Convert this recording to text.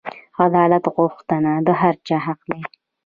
عدالت غوښتنه د هر چا حق دی.